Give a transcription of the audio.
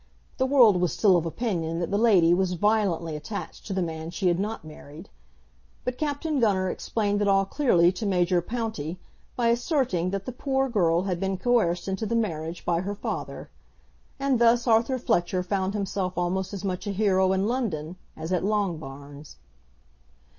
The world was still of opinion that the lady was violently attached to the man she had not married. But Captain Gunner explained it all clearly to Major Pountney by asserting that the poor girl had been coerced into the marriage by her father. And thus Arthur Fletcher found himself almost as much a hero in London as at Longbarns.